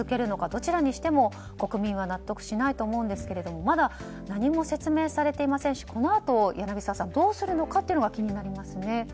どちらにしても国民は納得しないと思うんですけれどもまだ何も説明されていませんしこのあと、柳澤さんどうするのかというのが気になりますね。